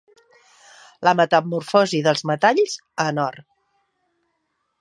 La metamorfosi dels metalls en or.